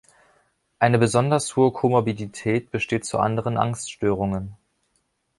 Eine besonders hohe Komorbidität besteht zu anderen Angststörungen.